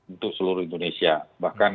untuk seluruh indonesia bahkan